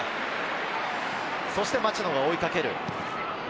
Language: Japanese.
そしてマチャドが追いかける。